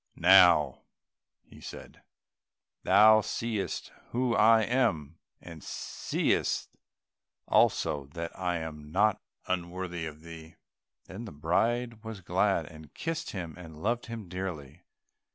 "Now," said he, "thou seest who I am, and seest also that I am not unworthy of thee." Then the bride was glad, and kissed him, and loved him dearly.